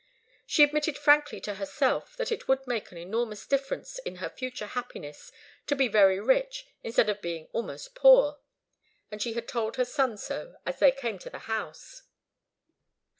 She admitted frankly to herself that it would make an enormous difference in her future happiness to be very rich instead of being almost poor, and she had told her son so as they came to the house.